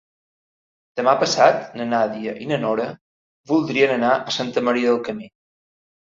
Demà passat na Nàdia i na Nora voldrien anar a Santa Maria del Camí.